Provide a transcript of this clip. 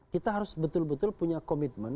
kita harus betul betul punya komitmen